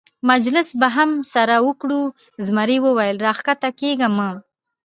مجلس به هم سره وکړو، زمري وویل: را کښته کېږه مه.